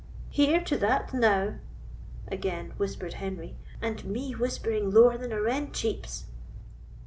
"Hear to that now," again whispered Henry, "and me whispering lower than a wren cheeps!"